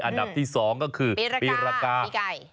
อันดับที่๒ก็คือปีรากาปีไก่